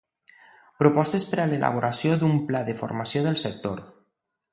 Propostes per a l'elaboració d'un Pla de formació del sector.